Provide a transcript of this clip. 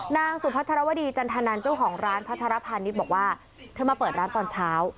นางสุพัชรวดีจันทนันเจ้าของร้านพัทรภานิษฐ์บอกว่าเธอมาเปิดร้านตอนเช้า